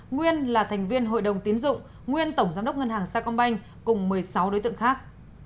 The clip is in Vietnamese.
nguyên là thành viên hội đồng tiến dụng nguyên tổng giám đốc ngân hàng sa công banh cùng một mươi sáu đối tượng khác